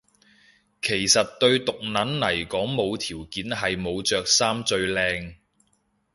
其實對毒撚嚟講無條件係冇着衫最靚